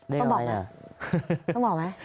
เลขอะไรนะต้องบอกไหม